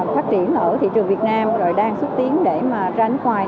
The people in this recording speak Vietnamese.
phát triển ở thị trường việt nam rồi đang xúc tiến để mà ra nước ngoài